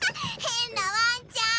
へんなわんちゃん！